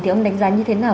thì ông đánh giá như thế nào